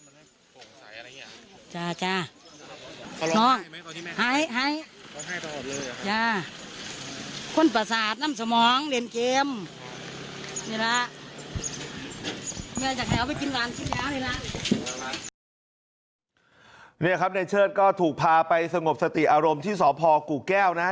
เมื่อจากแถวไปกินร้านช่วยยาวนี่แหละนี่ครับในเชิดก็ถูกพาไปสงบสติอารมณ์ที่สอบภอกูแก้วนะฮะ